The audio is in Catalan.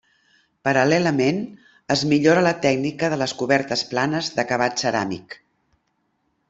Paral·lelament es millora la tècnica de les cobertes planes d'acabat ceràmic.